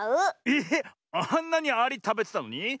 ええっあんなにアリたべてたのに？